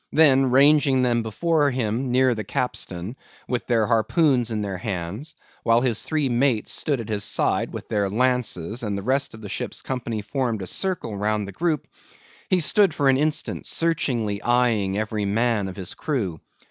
Then ranging them before him near the capstan, with their harpoons in their hands, while his three mates stood at his side with their lances, and the rest of the ship's company formed a circle round the group; he stood for an instant searchingly eyeing every man of his crew.